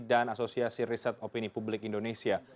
dan asosiasi riset opini publik indonesia